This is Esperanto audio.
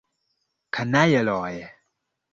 Kanajloj!